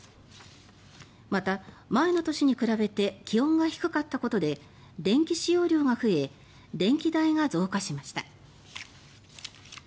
また、前の年に比べて気温が低かったことで電気使用量が増え電気代が増加しました。